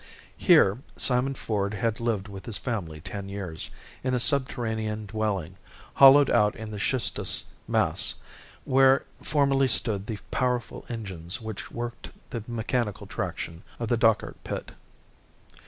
Here Simon Ford had lived with his family ten years, in a subterranean dwelling, hollowed out in the schistous mass, where formerly stood the powerful engines which worked the mechanical traction of the Dochart pit.